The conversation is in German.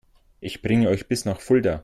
Ich bringe euch bis nach Fulda